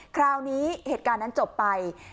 คราวนี้เหตุการณ์นั้นจบไป